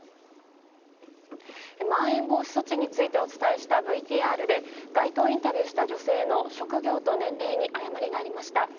まん延防止措置についてお伝えしたＶＴＲで街頭インタビューした女性の職業と年齢に誤りがありました。